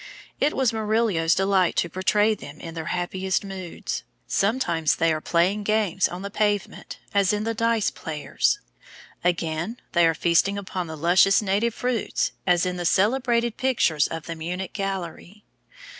It was Murillo's delight to portray them in their happiest moods. Sometimes they are playing games on the pavement, as in the Dice Players; again, they are feasting upon the luscious native fruits, as in the celebrated pictures of the Munich Gallery.